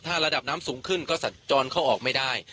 ถ้าระดับน้ำสูงขึ้นก็สัญจรเข้าออกไม่ได้